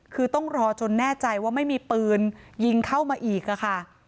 คือต้องรอจนแน่ใจว่าไม่มีปืนยิงเข้ามาอีกค่ะ